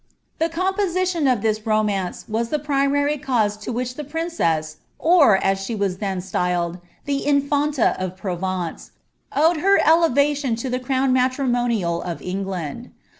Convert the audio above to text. * The composition of this romance was the primary ciuse to which the princess, or (as she was then styled^ the infanta of Provence, owed her elevation to the crown matrimonial of England.